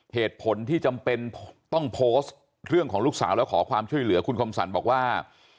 เหตุผลที่จำเป็นต้องโพสต์เรื่องของลูกสาวแล้วขอความช่วยเหลือคุณคมสรรบอกว่า